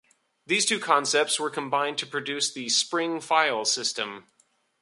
These two concepts were combined to produce the Spring file system.